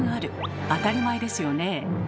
当たり前ですよねえ。